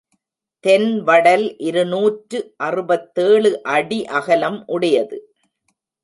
தென் வடல் இருநூற்று அறுபத்தேழு அடி அகலம் உடையது.